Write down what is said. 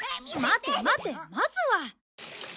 待て待てまずは。